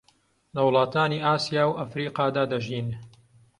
لە وڵاتانی ئاسیا و ئەفریقادا دەژین